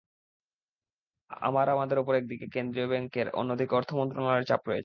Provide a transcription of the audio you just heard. আবার আমাদের ওপর একদিকে কেন্দ্রীয় ব্যাংকের, অন্যদিকে অর্থ মন্ত্রণালয়ের চাপ রয়েছে।